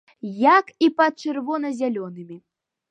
Як і пад чырвона-зялёнымі.